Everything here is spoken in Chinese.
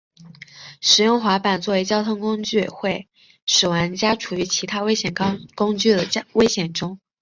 使用滑板作为交通工具会使玩家处于其他交通工具的危险中。